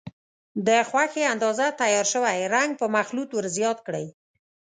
د خوښې اندازه تیار شوی رنګ په مخلوط ور زیات کړئ.